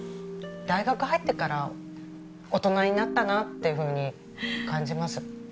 大学入ってから大人になったなっていうふうに感じます。